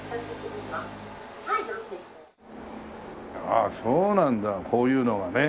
ああそうなんだこういうのがね。